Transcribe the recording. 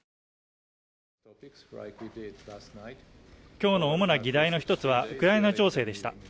今日の主な議題の一つはウクライナ情勢でした。